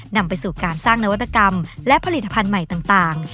นำไปสู่การสร้างนวัตกรรมและผลิตภัณฑ์ใหม่ต่าง